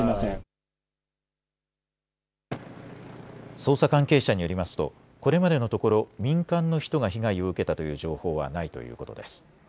捜査関係者によりますとこれまでのところ民間の人が被害を受けたという情報はないということです。